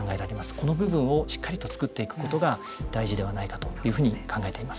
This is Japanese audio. この部分をしっかりと作っていくことが大事ではないかというふうに考えています。